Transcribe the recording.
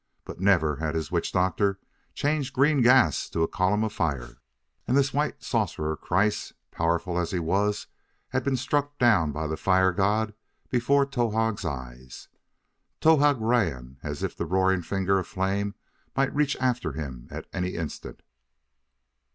But never had his witch doctor changed green gas to a column of fire; and this white sorcerer, Kreiss, powerful as he was, had been struck down by the fire god before Towahg's eyes. Towahg ran as if the roaring finger of flame might reach after him at any instant.